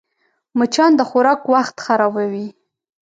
مچان د خوراک وخت خرابوي